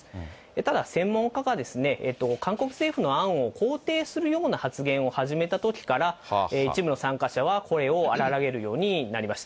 ただ、専門家が韓国政府の案を肯定するような発言を始めたときから、一部の参加者は声を荒らげるようになりました。